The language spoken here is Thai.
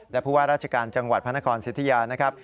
และผู้ว่าราชการจังหวัดพระนครสิทธิยานะครับ